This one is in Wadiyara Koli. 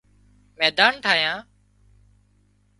ميڌان ٺاهيان